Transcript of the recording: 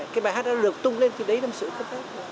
cái bài hát đó được tung lên thì đấy là một sự cấp phép